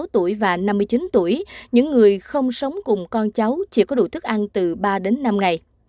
sáu mươi tuổi và năm mươi chín tuổi những người không sống cùng con cháu chỉ có đủ thức ăn từ ba đến năm ngày